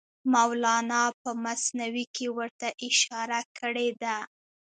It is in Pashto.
مولانا په مثنوي کې ورته اشاره کړې ده.